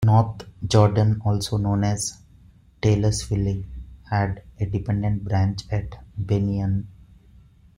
North Jordan also known as Taylorsville had a dependent branch at Bennion.